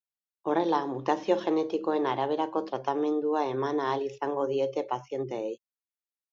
Horrela, mutazio genetikoen araberako tratamendua eman ahal izango diete pazienteei.